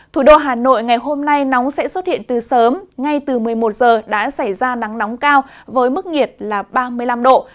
thủ đô hà nội ngày hôm nay nóng sẽ xuất hiện từ sớm ngay từ một mươi một giờ đã xảy ra nắng nóng cao với mức nhiệt là ba mươi năm độ